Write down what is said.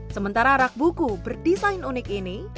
sementara rak buku berdesain unik ini